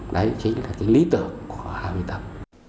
đấy chính là cái lý tưởng của hà huy tập